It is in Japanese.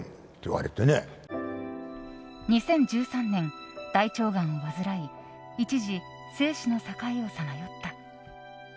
２０１３年、大腸がんを患い一時、生死の境をさまよった。